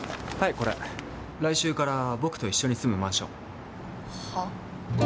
これ来週から僕と一緒に住むマンションはぁ？